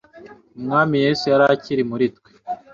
umwami yesu yari akiri muri twe